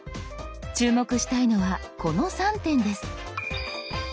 注目したいのはこの３点です。